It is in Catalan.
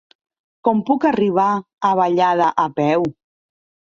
Com puc arribar a Vallada a peu?